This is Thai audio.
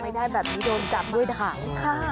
ไม่ได้แบบนี้โดนจับด้วยถังค่ะ